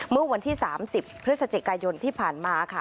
เมื่อวันที่๓๐พฤศจิกายนที่ผ่านมาค่ะ